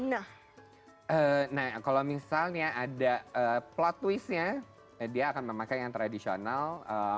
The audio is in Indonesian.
nah kalau misalnya ada plot twist nya dia akan memakai yang tradisional